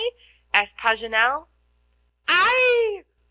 asked Paganel. "I!"